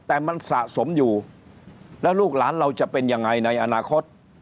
แต่มันสะสมอยู่แล้วลูกหลานเราจะเป็นยังไงในอนาคต